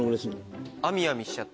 編み編みしちゃって。